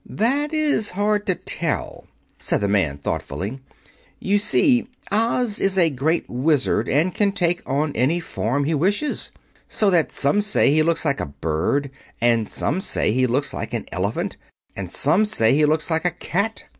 "That is hard to tell," said the man thoughtfully. "You see, Oz is a Great Wizard, and can take on any form he wishes. So that some say he looks like a bird; and some say he looks like an elephant; and some say he looks like a cat.